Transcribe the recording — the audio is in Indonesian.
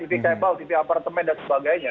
tv cable tv apartemen dan sebagainya